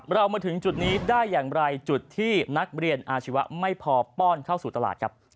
เรามาถึงจุดนี้ได้อย่างไรจุดที่นักเรียนอาชีวะไม่พอป้อนเข้าสู่ตลาดครับ